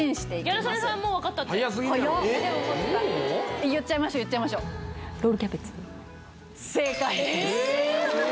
ギャル曽根さんもうわかったってはやっ言っちゃいましょう言っちゃいましょう正解ですえ！